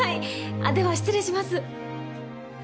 あっでは失礼します。